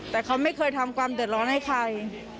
แต่เขาไม่เคยทำความเดือดร้อนให้ใคร